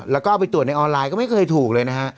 แล้วก็เอาไปตรวจในออนไลน์ก็ไม่เคยถูกเลยนะฮะ